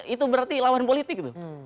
itu berarti lawan politik tuh